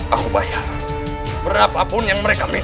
aku bayar berapapun yang mereka miliki